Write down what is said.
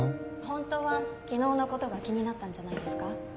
・本当は昨日のことが気になったんじゃないですか？